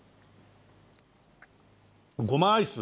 ごまアイス？